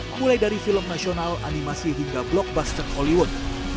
mulai dari film nasional animasi hingga blockbuster hollywood